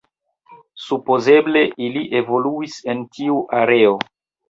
Supozeble ili evoluis en tiu areo.